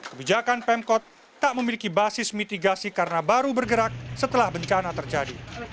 kebijakan pemkot tak memiliki basis mitigasi karena baru bergerak setelah bencana terjadi